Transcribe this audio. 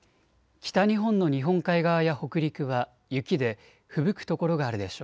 北日本の日本海側や北陸は雪でふぶく所があるでしょう。